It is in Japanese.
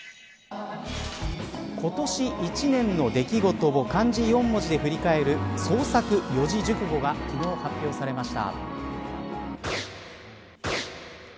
今年一年の出来事を漢字四文字で振り返る創作四字熟語が昨日、発表されました。